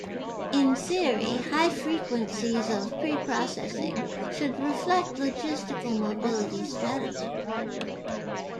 In theory, high frequencies of pre-processing should reflect logistical mobility strategy.